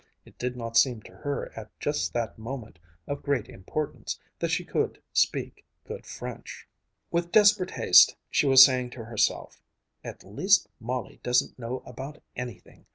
It did not seem to her at just that moment of great importance that she could speak good French. With desperate haste she was saying to herself, "At least Molly doesn't know about anything.